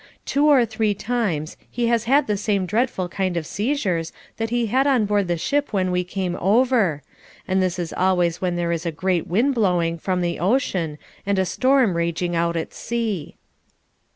Two or three times he has had the same dreadful kind of seizures that he had on board the ship when we came over, and this is always when there is a great wind blowing from the ocean and a storm raging out at sea.